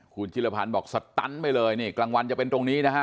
คุณจิรพันธ์บอกสตันไปเลยนี่กลางวันจะเป็นตรงนี้นะฮะ